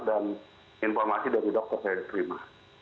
dan informasi dari dokter saya diterima